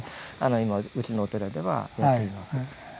今うちのお寺ではやっています。